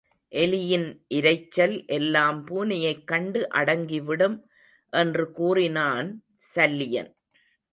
எலியின் இரைச்சல் எல்லாம் பூனையைக் கண்டு அடங்கிவிடும் என்று கூறினான் சல்லியன்.